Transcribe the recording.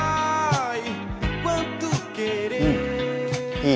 いい。